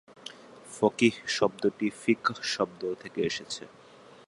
ফকিহ শব্দটি ফিকহ থেকে এসেছে।